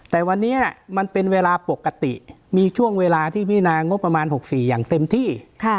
แต่วันนี้มันเป็นเวลาปกติมีช่วงเวลาที่พินางบประมาณ๖๔อย่างเต็มที่